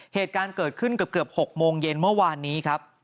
เหตุการณ์เกิดขึ้นเกือบ๖โมงเย็นเมื่อวานนี้ครับ